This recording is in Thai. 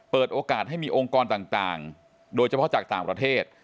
เปิดโอกาสให้มีองค์กรต่างโดยเฉพาะจากต่างประเทศ